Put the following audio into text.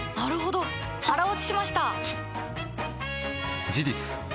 腹落ちしました！